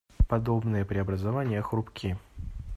Подобные преобразования хрупки.